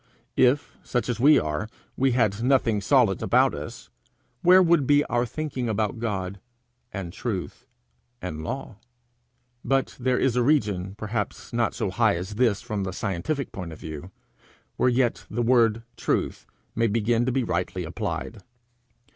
If, such as we are, we had nothing solid about us, where would be our thinking about God and truth and law? But there is a region perhaps not so high as this from the scientific point of view, where yet the word truth may begin to be rightly applied.